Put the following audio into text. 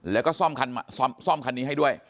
แล้วก็ซ่อมคันนี้ให้ด้วย